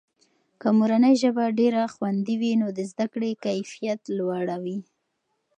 که مورنۍ ژبه ډېره خوندي وي، نو د زده کړې کیفیته لوړه وي.